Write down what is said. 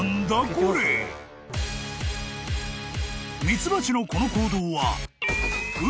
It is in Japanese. ［ミツバチのこの行動は］